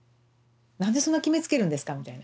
何でそんな決めつけるんですかみたいな。